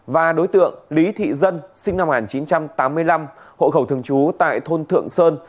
và đối tượng lý thị dân sinh năm một nghìn chín trăm tám mươi năm hộ khẩu thường trú tại thôn thượng sơn